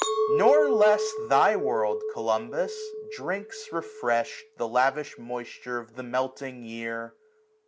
8i Nor less thy worlds Columbus, drinks, refreshed. The lavish moisture of the melting year.